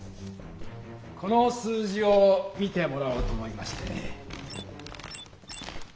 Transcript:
この数字を見てもらおうと思いましてね。